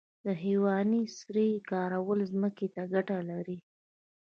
د حیواني سرې کارول ځمکې ته ګټه لري